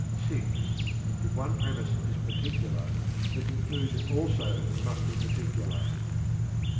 VI. If one premise is particular, the conclusion also must be particular.